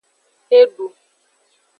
Edu.